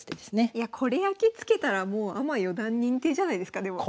いやこれやきつけたらもうアマ四段認定じゃないですかでも。